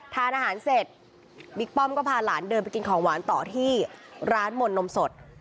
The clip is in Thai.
ทานอาหารเสร็จบิ๊กป้อมก็พาหลานเดินไปกินของหวานต่อที่ร้านมนต์นมสด